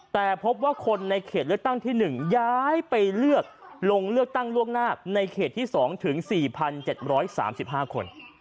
แต่พบว่าคนในเขตเลือกตั้งที่หนึ่งย้ายไปเลือกลงเลือกตั้งล่วงหน้าในเขตที่สองถึงสี่พันเจ็ดบร้อยสามสิบห้าคน